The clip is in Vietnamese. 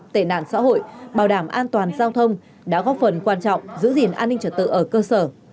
tệ nạn xã hội bảo đảm an toàn giao thông đã góp phần quan trọng giữ gìn an ninh trật tự ở cơ sở